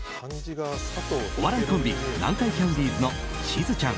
お笑いコンビ南海キャンディーズのしずちゃん